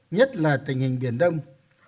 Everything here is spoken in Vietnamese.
nhất là tình hình biển đông